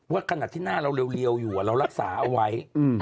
ว่าขนาดที่หน้าเราเร็วอยู่เรารักษาเอาไว้